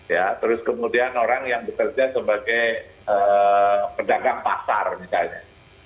ya terus kemudian orang yang bekerja sebagai pedagang pasar misalnya